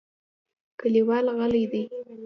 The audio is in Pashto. کلیوال غلي دي .